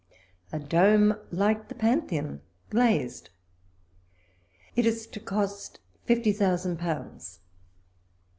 A dome like the pan theon, glazed. It is to cost fifty thousand pounds.